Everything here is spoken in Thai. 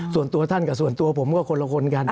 ส่วนตัวท่านกับส่วนตัวผมก็คนละคนกัน